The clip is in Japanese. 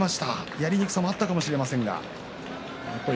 やりにくさはあったかもしれません。